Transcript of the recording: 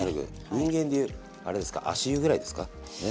人間でいうあれですか足湯ぐらいですか？ね？